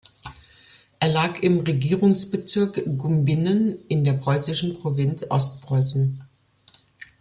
Er lag im Regierungsbezirk Gumbinnen in der preußischen Provinz Ostpreußen.